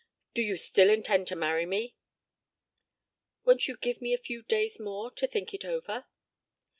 "Do you still intend to marry me?" "Won't you give me a few days more to think it over?"